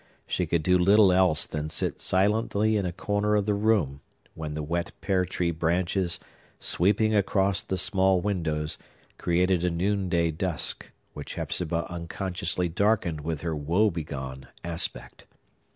She could do little else than sit silently in a corner of the room, when the wet pear tree branches, sweeping across the small windows, created a noonday dusk, which Hepzibah unconsciously darkened with her woe begone aspect.